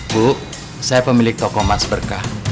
bu saya pemilik toko emas berkah